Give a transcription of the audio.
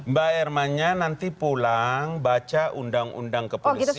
mbak hermanya nanti pulang baca undang undang ke polisi